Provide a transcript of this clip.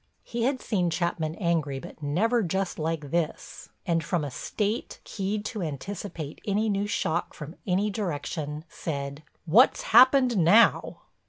He had seen Chapman angry but never just like this, and from a state, keyed to anticipate any new shock from any direction, said: "What's happened now?"